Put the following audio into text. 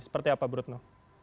seperti apa bu rutno